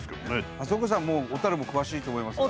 松岡さんはもう小も詳しいと思いますが。